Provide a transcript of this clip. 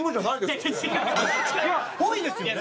っぽいですよね。